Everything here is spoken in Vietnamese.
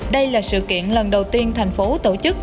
đây là sự kiện lần đầu tiên thành phố tổ chức